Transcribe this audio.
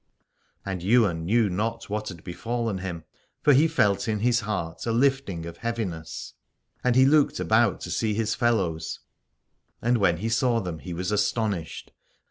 174 Aladore And Ywain knew not what had befallen him, for he felt in his heart a lifting of heaviness : and he looked about to see his fellows, and when he saw them he was astonished.